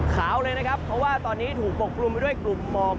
ขาวเลยนะครับเพราะว่าตอนนี้ถูกปกกลุ่มไปด้วยกลุ่มหมอก